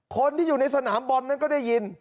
คนที่อยู่ในสนามบอลนั้นก็ได้ยิน